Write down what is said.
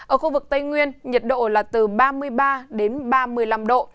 ở khu vực tây nguyên nhiệt độ là từ ba mươi ba đến ba mươi năm độ